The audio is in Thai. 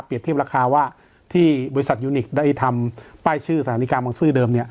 เทียบราคาว่าที่บริษัทยูนิคได้ทำป้ายชื่อสถานีกลางบังซื้อเดิมเนี่ย